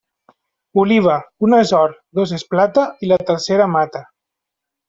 Oliva, una és or, dos és plata, i la tercera mata.